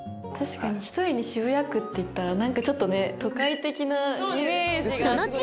確かにひとえに渋谷区っていったら何かちょっとね都会的なイメージが。